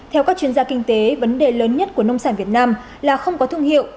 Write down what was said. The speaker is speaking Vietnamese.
theo các chuyên gia kinh tế vấn đề lớn nhất của nông sản việt nam là không có thương hiệu